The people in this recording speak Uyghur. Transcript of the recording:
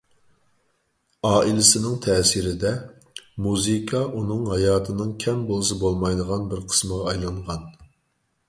ئائىلىسىنىڭ تەسىرىدە، مۇزىكا ئۇنىڭ ھاياتىنىڭ كەم بولسا بولمايدىغان بىر قىسمىغا ئايلانغان.